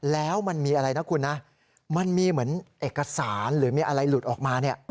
แล้วมันมีอะไรนะคุณนะมันมีเหมือนเอกสารหรือมีอะไรหลุดออกมาเนี่ย